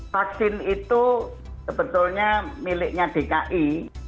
vaksin itu sebetulnya miliknya dki